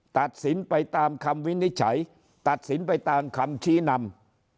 ตัดสินไปตามคำวินิจฉัยตัดสินไปตามคำชี้นำ